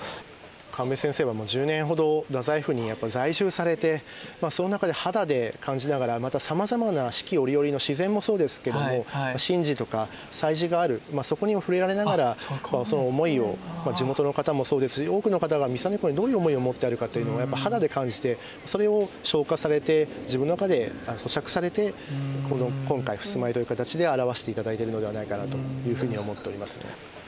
神戸先生はもう１０年ほど太宰府にやっぱり在住されてその中で肌で感じながらまたさまざまな四季折々の自然もそうですけども神事とか祭事があるそこにも触れられながらその思いを地元の方もそうですし多くの方が道真公にどういう思いを持ってあるかというのを肌で感じてそれを消化されて自分の中でそしゃくされて今回ふすま絵という形で表して頂いているのではないかなというふうに思っておりますね。